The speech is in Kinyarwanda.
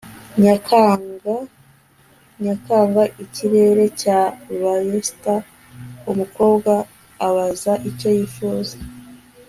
Nyakanga Nyakanga ikirere cya barista umukobwa abaza icyo yifuza